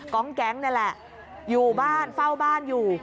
แก๊งนี่แหละอยู่บ้านเฝ้าบ้านอยู่